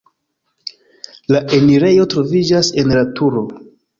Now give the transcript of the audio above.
La enirejo troviĝas en la turo.